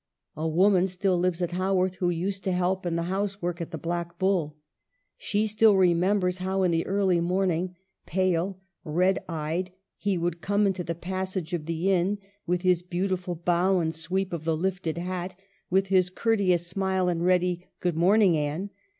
A woman still lives at Haworth, who used to help in the house work at the " Black Bull." She still remembers how, in the early morning, pale, red eyed, he would come into the passage of the inn, with his beautiful bow and sweep of the lifted hat, with his courteous smile and ready "Good morn ing, Anne